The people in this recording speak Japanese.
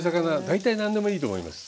大体何でもいいと思います。